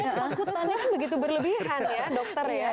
iya aku tanya kan begitu berlebihan ya dokter ya